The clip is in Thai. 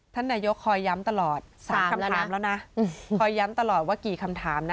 ท่านนายกคอยย้ำตลอด๓คำถามแล้วนะคอยย้ำตลอดว่ากี่คำถามนะ